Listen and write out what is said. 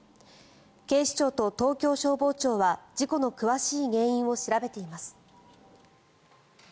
警視庁と東京消防庁は事故の詳しい原因を調べています。